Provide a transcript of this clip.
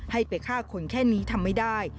ให้ไปฆ่าคนแค่นี้ทำไม่ได้